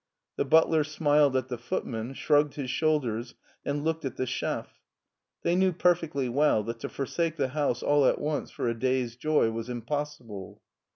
The butler smiled at the footman, shrugged his shoulders, and looked at the chef. They knew per fectly well that to forsake the house all at once for a da/s joy was impossible.